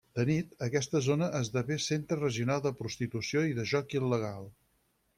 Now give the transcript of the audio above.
De nit, aquesta zona esdevé el centre regional de prostitució i de joc il·legal.